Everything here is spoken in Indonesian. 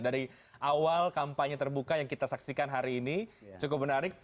dari awal kampanye terbuka yang kita saksikan hari ini cukup menarik